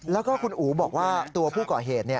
แล้วก็คุณอู๋บอกว่าตัวผู้ก่อเหตุ